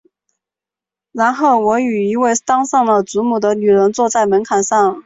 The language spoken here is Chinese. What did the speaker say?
达乌里黄耆为豆科黄芪属的植物。